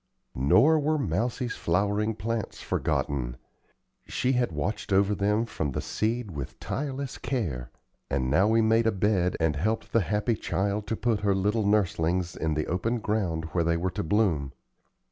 Nor were Mousie's flowering plants forgotten. She had watched over them from the seed with tireless care, and now we made a bed and helped the happy child to put her little nurslings in the open ground where they were to bloom.